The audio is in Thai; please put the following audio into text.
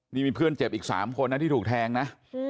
นี่มีเพื่อนเจ็บอีก๓คนนะที่ถูกแทงนะ